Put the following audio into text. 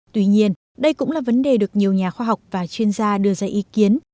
tuy nhiên đây cũng là vấn đề được nhiều nhà khoa học và chuyên gia đưa ra ý kiến